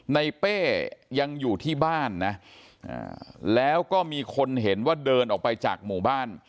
เป้ยังอยู่ที่บ้านนะแล้วก็มีคนเห็นว่าเดินออกไปจากหมู่บ้าน